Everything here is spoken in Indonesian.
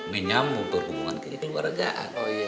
menyambung perhubungan keluargaan